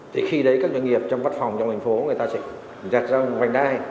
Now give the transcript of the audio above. thì khi đấy các doanh nghiệp trong văn phòng trong thành phố người ta sẽ giặt ra một vành đai